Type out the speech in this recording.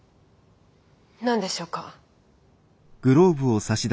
何でしょうか？